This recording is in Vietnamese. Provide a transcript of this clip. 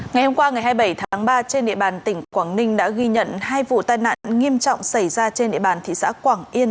ngày hôm qua ngày hai mươi bảy tháng ba trên địa bàn tỉnh quảng ninh đã ghi nhận hai vụ tai nạn nghiêm trọng xảy ra trên địa bàn thị xã quảng yên